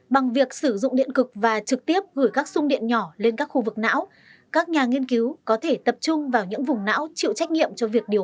bằng việc sử dụng điện cực và trực tiếp gửi các xung điện nhỏ lên các khu vực não các nhà nghiên cứu có thể tập trung vào những vùng não chịu trách nghiệm trong việc trị liệu